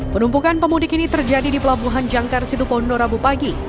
penumpukan pemudik ini terjadi di pelabuhan jangkar situbondo rabu pagi